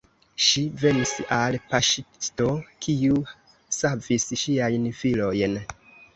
Ŝi venis al paŝtisto, kiu savis ŝiajn filojn.